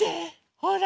ほら。